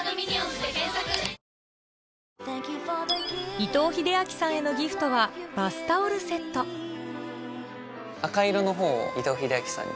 伊藤英明さんへのギフトはバスタオルセット赤色のほうを伊藤英明さんに。